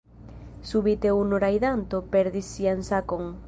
Subite unu rajdanto perdis sian sakon.